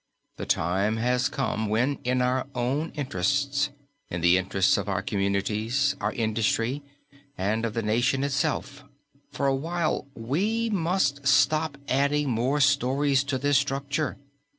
The time has come when in our own interests, in the interests of our communities, our industry, and of the nation itself, for a while we must stop adding more stories to this structure.